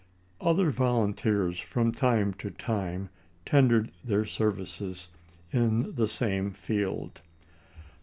Other volunteers from time to time tendered their services in the same field.